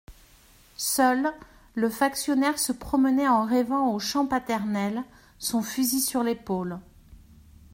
Seul, le factionnaire se promenait en rêvant aux champs paternels, son fusil sur l'épaule.